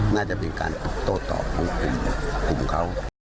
น่าจะเป็นการโต้ต่อภูมิเขา